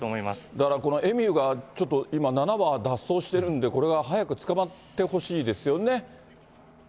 だからこのエミューがちょっと今、７羽脱走してるんで、これが早く捕まってほしいですよね。